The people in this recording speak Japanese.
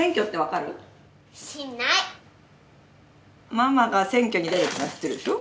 ママが選挙に出るっていうのは知ってるでしょ？